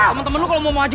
emang pengen berang gak lu